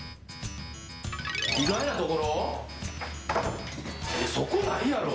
意外なところ？